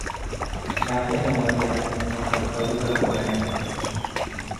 تحت حمایت...، با همکاری و کمک...